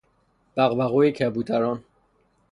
بغبغوی کبوتران